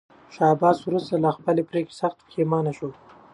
شاه عباس وروسته له خپلې پرېکړې سخت پښېمانه شو.